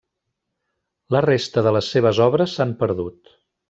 La resta de les seves obres s'han perdut.